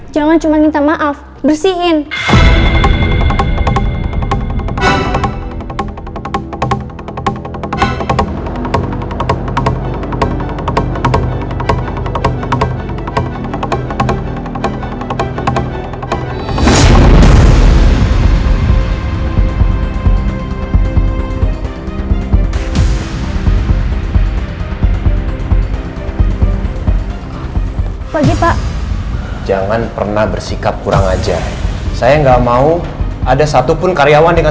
jangan cuma minta maaf bersihin